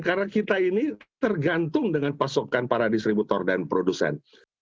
karena kita ini tergantung dengan pasokan para distributor dan produsen